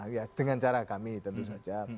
ya dengan cara kami tentu saja